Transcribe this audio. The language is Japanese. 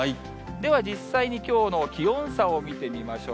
では、実際にきょうの気温差を見てみましょう。